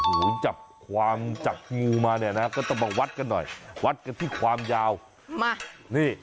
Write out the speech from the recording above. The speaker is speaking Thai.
ออกมาเดี๋ยวนี้